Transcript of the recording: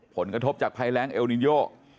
ผลกระทบจากภัยแรงเอลนินโย